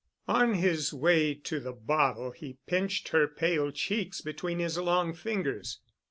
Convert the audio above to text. On his way to the bottle he pinched her pale cheeks between his long fingers.